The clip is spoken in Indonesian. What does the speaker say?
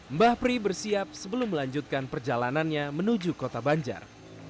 mbah pri bersiap sebelum melanjutkan perjalanannya menuju kota banjar